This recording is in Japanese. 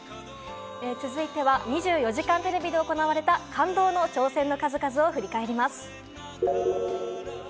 続いては『２４時間テレビ』で行われた、感動の挑戦の数々を振り返ります。